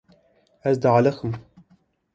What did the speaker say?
Ez dialiqim.